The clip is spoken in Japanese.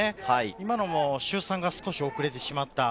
今のも集散が遅れてしまった。